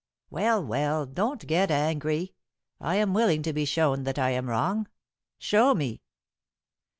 Well! Well, don't get angry. I am willing to be shown that I am wrong. Show me."